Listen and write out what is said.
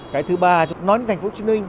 cái thứ ba nói đến thành phố chính ninh